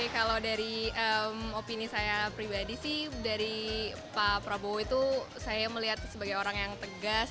kalau dari opini saya pribadi sih dari pak prabowo itu saya melihat sebagai orang yang tegas